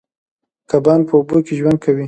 کبان په اوبو کې ژوند کوي